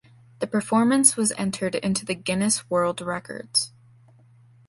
The performance was entered into the Guinness World Records.